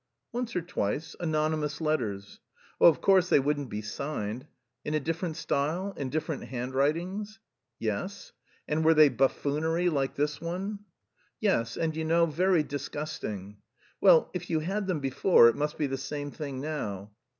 "Once or twice, anonymous letters." "Oh, of course they wouldn't be signed. In a different style? In different handwritings?" "Yes." "And were they buffoonery like this one?" "Yes, and you know... very disgusting." "Well, if you had them before, it must be the same thing now."